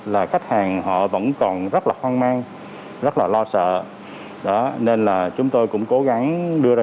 là khách hàng họ vẫn còn rất là hoang mang rất là lo sợ nên là chúng tôi cũng cố gắng đưa ra